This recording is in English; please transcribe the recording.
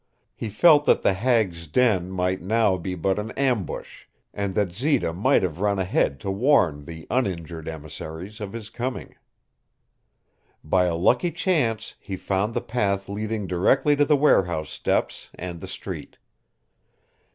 He felt that the hag's den might now be but an ambush and that Zita might have run ahead to warn the uninjured emissaries of his coming. By a lucky chance he found the path leading directly to the warehouse steps and the street.